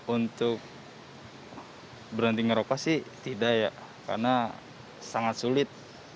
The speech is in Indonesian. untuk berhenti ngerokok sih tidak ya karena sangat sulit